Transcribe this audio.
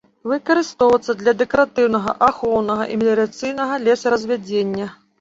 Выкарыстоўваецца для дэкаратыўнага, ахоўнага і меліярацыйнага лесаразвядзення.